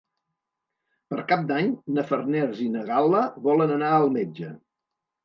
Per Cap d'Any na Farners i na Gal·la volen anar al metge.